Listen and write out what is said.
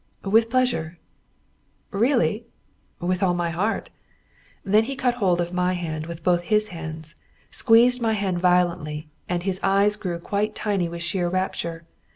"With pleasure." "Really?" "With all my heart." Then he caught hold of my hand with both his hands; squeezed my hand violently, and his eyes grew quite tiny with sheer rapture.